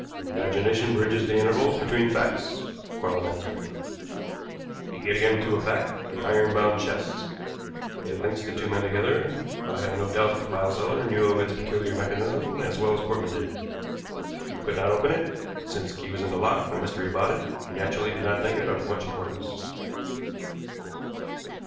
"Imagination bridges the intervals between facts," Quarles answered. "We get again to a fact the iron bound chest. It links the two men together. I have no doubt the file seller knew of its peculiar mechanism as well as Portman did. You could not open it, and, since the key was in the lock, no mystery about it, you naturally did not think it of much importance.